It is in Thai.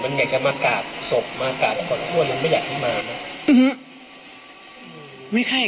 มันอยากจะมากราบศพมากราบทุกคนไม่อยากให้มาไม่ให้